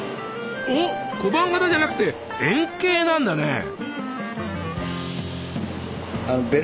おっ小判型じゃなくて円形なんだね。